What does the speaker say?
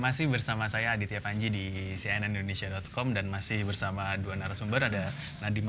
masih bersama saya aditya panji di cnnindonesia com dan masih bersama dua narasumber ada nadiem